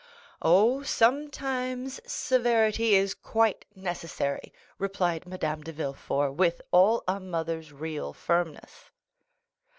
"Oh, sometimes severity is quite necessary," replied Madame de Villefort, with all a mother's real firmness.